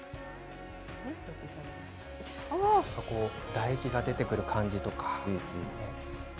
唾液が出てくる感じとか。